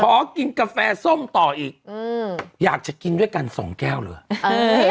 ขอกินกาแฟส้มต่ออีกอยากจะกินด้วยกันสองแก้วเลย